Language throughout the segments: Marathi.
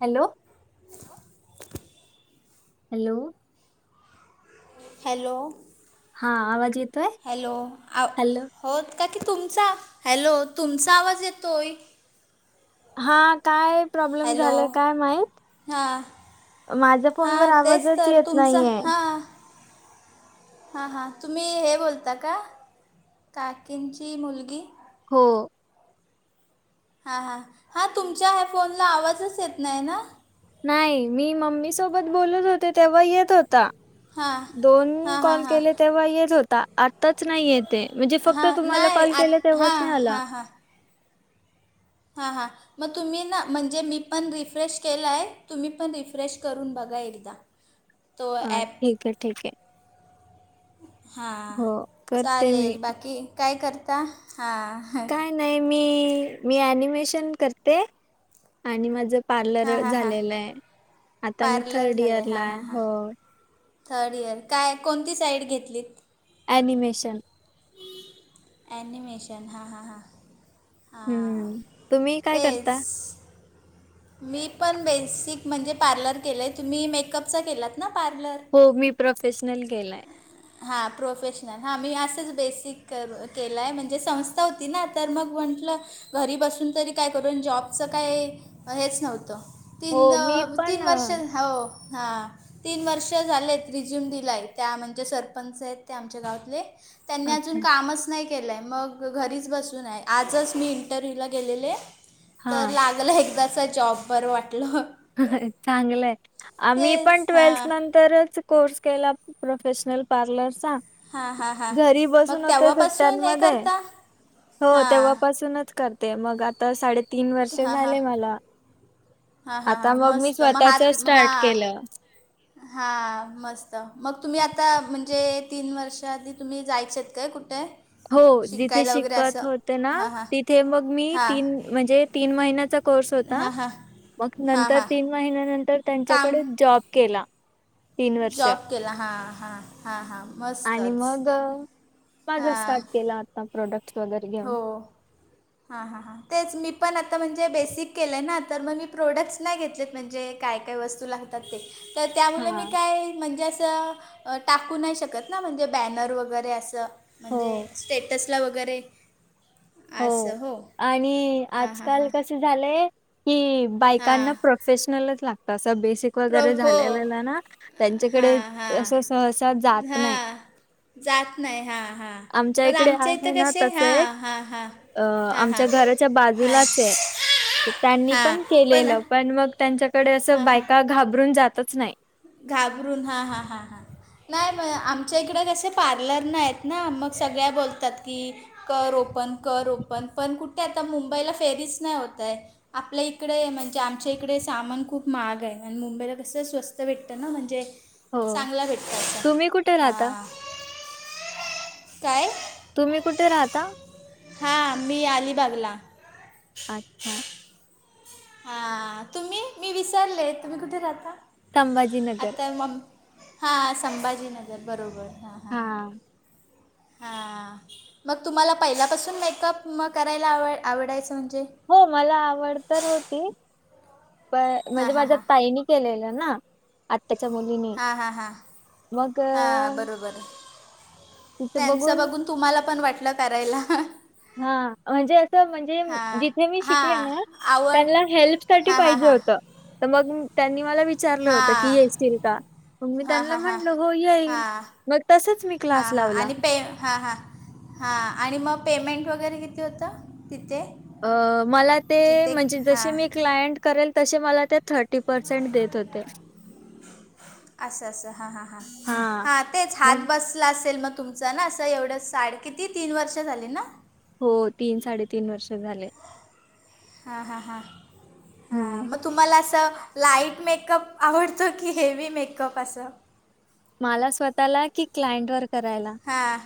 हॅलो. हॅलो. हॅलो. हा आवाज येत? हॅलो आ होत काकी तुमचा हॅलो तुमचा आवाज येतोय. हा काय प्रॉब्लेम झालं काय माहित. हा. माझ्या फोनवर आवाजच येत तुमचा नाहीये. हां हां, हां तुम्ही हे बोलता का काकींची मुलगी? हो. हां, हां, हां तुमच्या ह्या फोनला आवाजच येत नाही ना. नाही मी मम्मी सोबत बोलत होते तेव्हा येत होता. हां दोन हां हां कॉल हां केले तेव्हा येत होता, आताच नाही येत. ते म्हणजे फक्त हां तुम्हाला नाही कॉल केला आत तेव्हाच हां नाही आला. हा हा. मग तुम्ही ना म्हणजे मी पण रिफ्रेश केलाय, तुम्ही पण रिफ्रेश करून बघा एकदा. ह [unintelligible] अ ठीक आहे ठीक आहे. हा हो करते मी चालेल बाकी काय करता हा. नाही नाही मी मी अनिमेशन करते आणि माझ पार्लर हां हां झालेला आहे आता मी पार्लर थर्ड झालं आहे हां इयरला हां हां हो. थर्ड इयर काय कोणती साईड घेतलीत? एॲनिमेशन. एॅनिमेशन हा हा हा. हम्म तुम्ही काय करता? मी पण बेसिक म्हणजे पार्लर केलं आहे, तुम्ही मेकअपचा केलात ना पार्लर? हो मी प्रोफेशनल केलाय. ह [unintelligible] [inaudible] हां प्रोफेशनल हां मी असंच बेसिक करू केलं आहे, म्हणजे संस्था होती ना तर मग म्हटलं घरी बसून तरी काय करून जॉबचं काय हेच नव्हतं तीन हो, मी पण तीन अ, वर्ष हो हां. तीन वर्ष झालेत रिझ्यूम दिलाय त्या म्हणजे, सरपंच आहेत ते आमच्या गावातले. त्यांनी अजून अच्छा. कामच नाय केलाय मग घरीच बसून हाय मग आजच इंटरव्यू ला गेलेले तर हां. ला [unintelligible] मला एकदाच जॉब बरं वाटलं. चांगलंय आ मी तेच पण ट्वेल्थ हां नंतरच कोर्स केला प्रोफेशनल पार्लरचा. हां हां हां घरी बसून मग होते तेव्हापासून हे सुट्ट्यांमध्ये करता हो हां तेव्हापासूनच करते, मग आता साडेतीन वर्ष झाले मला. हा हा आता हां मग मी मस्त महात स्वतःचं महा स्टार्ट केलं. हा मस्त मग तुम्ही आता म्हणजे, तीन वर्ष आधी तुम्ही जायचे काय कुठे?. हो जिथे शिकायला वगैरे शिकत असं होते ना हां हां तिथे मग मी हां तीन म्हणजे तीन महिन्याचा कोर्स होता हां हां मग हां नंतर हां तीन महिन्या नंतर काम त्यांच्याकडे जॉब केला. तीन वर्ष. जॉब केला हा हा हा हा मस्तच. ग माझा हां स्टार्ट केला आता प्रोडक्ट् वगैरे घेऊन. हा हा हां. तेच मी पण आता म्हणजे बेसिक केलंय ना, तर मग मी प्रोडक्ट्स नाही घेतलेत, म्हणजे काय काय वस्तू लागते तात ते तर त्यामुळे मी हा काय म्हणजे असं टाकू नाही शकत ना म्हणजे बॅनर वगैरे असं म्हणजे हो स्टेटसला वगैरे. हो आणि हां हां आजकाल हां कस झालंय की बायकांना हां प्रो फेशनलच लागत असं बेसिक क प्रो वगैरे हो झालेला ना त्यांच्याकडे हां हां अस सहसा जात नाही. हां जात नाही हा हा पण इकडे आमच्या आहे इथं ना कसे तसं हा एक हा हा. अ हा हा आमच्या घराच्या हा. बाजूलाच आहे त्यांनी पण केलेलं पण मग त्यांच्याकडे असं हां हां बायका घाबरून जातच नाही. घाबरून हा हा हा हा. नाही मग आमच्या इकडें कसे पार्लर नाही आहेत ना मग सगळ्या बोलतात की कर ओपन कर ओपन पण कुठे आता मुंबईला फेरीच नाही होतय. आपल्या इकडे म्हणजे आमच्या इकडे सामान खूप महाग आहे आणि मुंबईला कसं स्वस्त स्त भेटत ना म्हणजे हो चांगलं भेटतं असं तुम्ही कुठे राहता? ह काय? तुम्ही कुठे राहता? हा मी अलिबागला. अच्छा. हा तुम्ही मी विसरले तुम्ही कुठे राहता संभाजीनगर. आता मग हा, संभाजीनगर बरोबर हा. हां. हा... मग तुम्हाला पहिल्यापासून मेकअप म. करायला आव आवडायचं म्हणजे? हो, मला आवड तर होती, प हां म्हणजे हां माझ्या हां ताईनी- केलेलं ना, आत्ताच्या मुलींनी हां हां हां मग- हां त्यांचं बघून तुम्हाला पण वाटलं करायला. हा, म्हणजे असं म्हणजे हां जिथे मी शिकले हां ना- आवड त्यांना हेल्प साठी हां हां पाहिजे हां होत, तर मग त्यांनी मला - विचारलं होत, की हां येशील का? मग मी हां त्यांनला हां हां म्हटल हो येईल, हां मग तसच मी हां क्लास हां लावला. आणि पे हां हां हां आणि मग पेमेंट वगैरे किती होतं, तिथे? अ.. मला ते जिथे म्हणजे जसे हां मी क्लायंट - करेल तसे मला ते थर्टी पर्सेंट देत होते. असं असं हा, हा, हा, हां. हा, तेच हात मग बस- ला असेल, मग तुमच ना असं एवढं साड किती तीन वर्ष झाली ना? हो, तीन साडेतीन वर्ष झाले. हा, हा, हा, हा, हं. म- तुम्हाला असं लाईट मेकअप आवडतं की, हेवी मेकअप असं? मला स्वतःला की, क्लाइंट वर करायला? हां,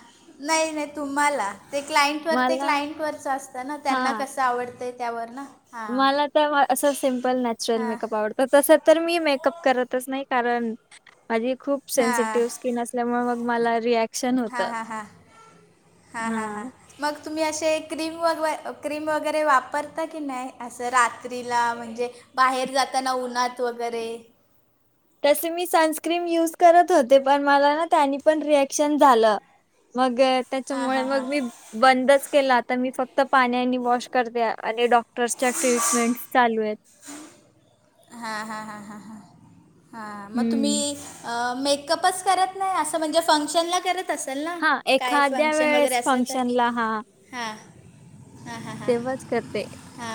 नाही, नाही, तुम्हाला? ते क्लाइंट वर ते मला क्लाइंट वरच असतं ना, त्यांना हां. कसं आवडतंय, त्यावर ना. हां मला तर असं, सिम्पल नॅचरल हां मेकअप आवडत. त तस तर मी मेकअप करतच नाही, कारण माझी खूप हां सेन्सिटिव्ह स्किन अस- ल्यामुळे मग मला रियाक्शन होत. हां हां हां हां हां हा. हां मग तुम्ही असे क्रीम व क्रीम वगैरे वापरता की नाही, असं रात्रीला म्हणजे- बाहेर जाताना उन्हात वगैरे. तसे मी सनस्क्रीम युज करत होते, पण मला ना त्यानी पण रिएक्शन झालं. मग, हां त्याच्यामुळे हां हां मग मी- बंदच केल, आता मी फक्त पाण्याने आणि वॉश करते आणि डॉक्टरच्या ट्रीटमेंटस् चालू आहेत. हां, हां, हां, हा, मग हम्म. तुम्ही- मेकअपच करत नाही, असं म्हणजे फंक्शनला करत- असेल ना, हां, काय एखाद्या फंक्शन वगैरे वेळेस असलं तर, फंक्शनला हां, हा, हा, हां. तेव्हाच करते. हा,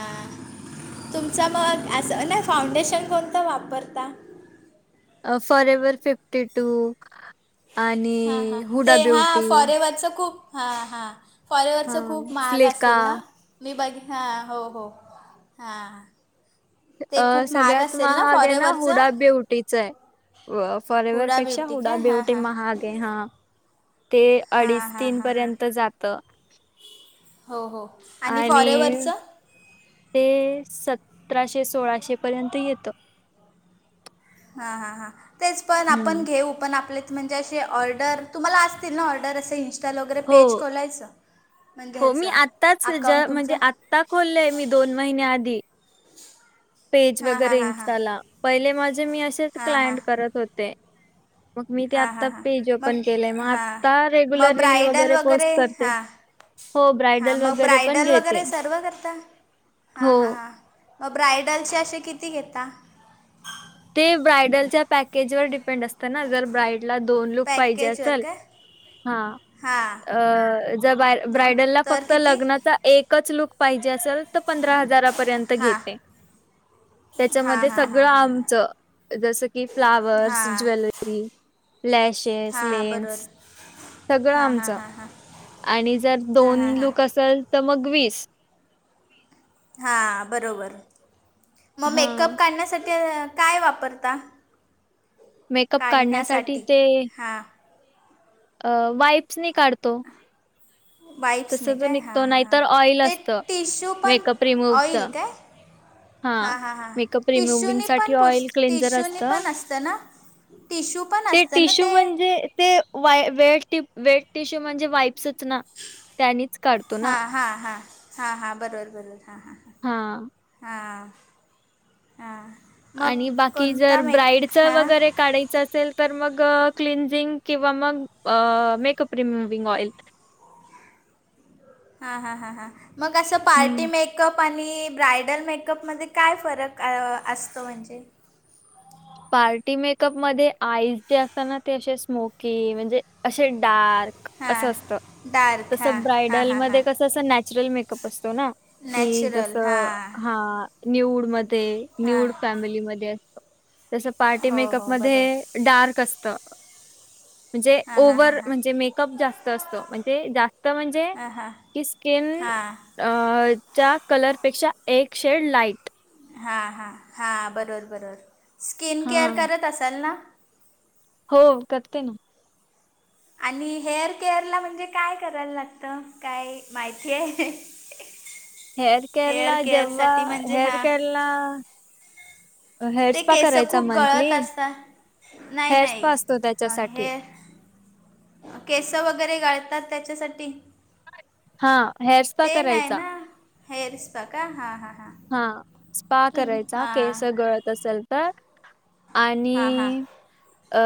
तुमच मग असं नाही फाउंडेशन कोणतं वापरता? Forever fifty two. हा, हा, ते हा, फॉरेवरच खूप- हा, हा, फॉरेवरचं हां, खूप महाग फ्लेका असेल ना, मी बघे- हां, हो, हो, हां. ते अ.. खूप महाग सगळ्यात असेल महाग आहे ना, फॉरेवरचं हुडा ब्यूटीच आहे. हुडा फॉरेवरपेक्षा ब्युटी हुडा काय हां ब्यूटी हां महाग आहे, हा. ते हां अडीच हां तीन हां हां पर्यंत जात. हो. हो. आणि.. ते, सतराशे, सोळाशे पर्यंत येतं. हा, हा, हा, तेच पण आपण हं. घेऊ, पण आपले- म्हणजे, असे ऑर्डर तुम्हाला असतील ना, ऑर्डर असं इंस्टा वगैरे पेज हो, खोलायचं. म्हणजे हो, मी ह्याचं आत्ताच ज अकाऊंट म्हणजे, तुमचं आत्ता खोललंय मी दोन महिन्या आधी. पेज हां हां वगैरे हां हां इंस्टाला, पहिले माझे मी असेच हां हां क्लायंट करत होते. मग मी ते हां आता हां हां पेज मग ओपन केलंय, मग हां आत्ता मग रेग्युलर रील ब्रायडल वगैरे पोस्ट करते. हां हो, हां ब्रायडल मग वगैरे पण घेते. हा हो, हा हां. मग ब्रायडलचे असे किती घेता? ते ब्रायडलच्या पॅकेजवर डिपेंड असते. त्यांना जर ब्राईडला दोन लूक पाहिजे पॅकेजवर असल काय हा. हां अअ जर दो ब्रायडलला तर फक्त किती लग्नाचा एकच लूक पाहिजे असल फक्त पंधरा हजारापर्यंत हां घेते. हां त्याच्यामध्ये हां सगळं हां आ हां जी जसं की फ्लावर्स, हां ज्वेलरी, लॅशेस, लेन्स सगळं हा. हा. आमचं हा. हा. आणि जर दोन लूक असेल, तर मग वीस हा. बरोबर. मग हां. मेकअप काढण्यासाठी काय वापरता? मेकअप काढण्यासाठी ते हां अ वाईप्स नि काढतो. [inaudible] वाईप्स तसं ने तो काय, हां, निघतो हां, हां, नाहीतर ऑइल ते असतं टिश्यू पण ऑईल काय- हा. हां हां हां मेकअप रिमूव्हींग टिश्यूनी साठी पण पुस ऑइल क्लेंझर टिश्यूनी असत. पण असतं ना टिश्यू पण ते असतं ना टिशू म्हणजे ते वा वे वेट टिश्यू म्हणजे वाईप्सच ना. त्यानीच काढतो. ना. हां हां हां हां हां. बरोबर, बरोबर. हां हां हां. हा. हां. हां. मग आणि बाकी जर कोणता मेक ब्राईडचं हां वगैरे काढायच असेल तर, मग क्लिनझिंग किंवा मग मेकअप रिमूविंग ऑइल हा. हा. हा. हा. मग असं पार्टी हं. मेक मेकअप आणि ब्रायडल मेकअप मध्ये काय फरक असतो? म्हणजे पार्टी मेकअपमध्ये आईज जे असतात ना. ते असे स्मोकी म्हणजे असे डार्क हां असं असत. डार्क हां तसं हां ब्रायडल हां हां मध्ये कसं, असं नॅचरल मेकअप असतो ना. कि जस, नॅचरल हां हा. न्युड मध्ये हां न्युड फॅमिलीमध्ये अ जसं पार्टी हो मेकअप हो बरोबर मध्ये, डार्क असत. म्हणजे, हां हां हां ओव्हर हां म्हणजे, मेकअप जास्त असतो. म्हणजे जास्त म्हणजे हां हां की स्किन, हां च्या कलरपेक्षा एक शेड लाईट हां. हां. हां. बरोबर, बरोबर. स्किन हा केअर करत असाल ना? हो. करते ना. आणि हेअर केअर ला म्हणजे काय करायला लागतं? कायमाहिती आहे? हेअर केरला, जेव्हा केअरसाठी म्हणजे हेअर हां केरला ते केस खूप गळत असतात. नाही. हेअर नाही. स्पा असतो अ त्याच्यासाठी हे केस वगैरे गळतात त्याच्यासाठी हा. हेअर स्पा ते नाही करायचा ना. हेर स्पा का? हां हां हां. हा. स्पा तुम करायचा केस हां गळत असेल तर हां हां आणि अ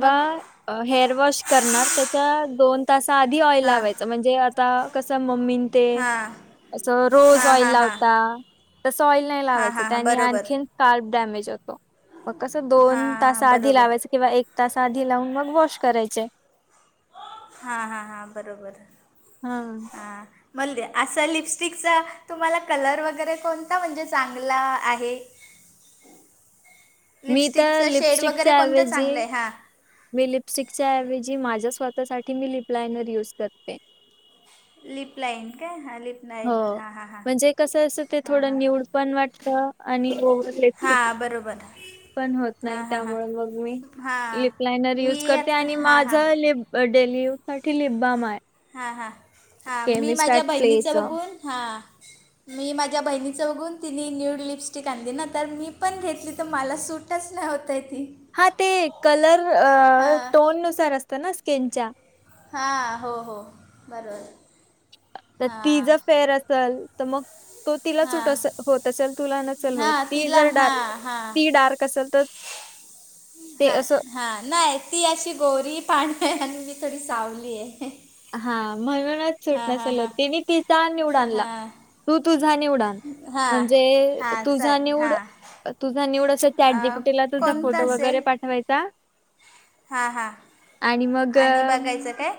मग हेअर वॉश करणार, त्याच्या दोन तासा आधी ऑइल हां लावायच. म्हणजे आता कस मम्मीन ते, हां असं रोज हां ऑइल हां लाव हां ता तसं ऑइल नाही हां लावायच. हां हां त्यानी बरोबर आणखी काल डॅमेज होतो. मग कसं दोन तास हां आधी बरोबर लावायचं, किंवा एक तास आधी लावून मग वॉश करायचे. हां हां हां. बरोबर. हा. ह. म्हणजे असा लिपस्टिकचा... तुम्हाला कलर वगैरे कोणता म्हणजे... चांगला आहे? मी तर लिपस्टिकचं शेड वगैरे लिपस्टिकच्या कोणतं चांगलं ऐवजी ए... हा मी लिपस्टिकच्या ऐवजी माझ्या स्वतःसाठी मी लिपलायनर यूज करते. लिप लाइन काय हा लिप हो लाईनर हां हां हां म्हणजे कस अस ते हां थोडं हां न्यूड पण वाटत आणि ओवर लिप. हा बरोबर. पण होत नाही हां हां हां त्यामुळे मग मी हां लिपलाइनर मी यूज करते आता आणि हां माझ हां लिप. अ डेली यूजसाठी लिपबाम आहे. हा हा हा मी केमिस्ट माझ्या ॲट बहिणीचं प्लेचं. बघून हा. मी माझ्या बहिणीचं बघून तिने न्यूड लिपस्टिक आणली ना तर मी पण घेतली तर मला सूट. टच नाही होतय ती. हा ते कलर हां टोन नुसार असतं ना स्किनच्या. हा हो हो बरोबर. तर ती हां ज फेअर असेल तर मग. तो तिला सुट हां होत असल तुला नसेल हो हां ती तिला जर डार्क. हां ती डार्क असल तर ते हा. असं हा नाही ती अशी गोरी पान आणि थोडी सावली आहे. हा म्हणूनच हां सुटना हां सल हां तिने तिचा न्यूड आणला हां तू तुझा न्यूड आण. हां म्हणजे हां तुझा चल निवड. हां तुझा न्यूड असल तर चॅट अं, जीपीटीला तुझा फोटो वगैरे पाठवायचा. हा हा आणि मग आणि अ, बघायचं काय.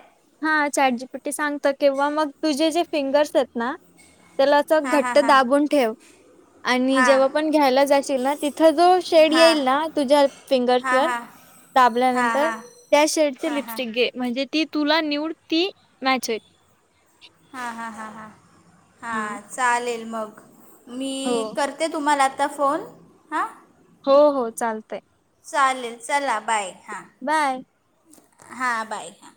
हा चटजी पिट्टी सांगत किंवा मग तुझे जे फिंगर्स आहेत ना त्याला. च हां हां घट्ट हां दाबून ठेव. आणि हां जेव्हा पण घ्यायला जाशील ना तिथं जो शेड हां येईल ना तुझ्या फिंगर्स हां वर. हां हां दाबल्यानंतर हां त्या शेड चे हां हां लिपस्टिक घे. म्हणजे ती तुला न्यूड ती मॅच होईल. हा हा हा हा. हा. चालेल मग मी हो करते तुम्हाला आत्ता फोन हा. हो हो चालतंय. चालेल चला बाय हां. बाय. हा बाय हा.